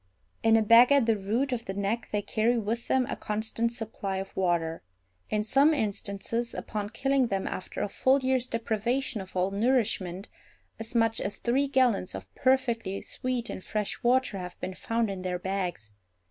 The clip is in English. In a bag at the root of the neck they carry with them a constant supply of water. In some instances, upon killing them after a full year's deprivation of all nourishment, as much as three gallons of perfectly sweet and fresh water have been found in their bags.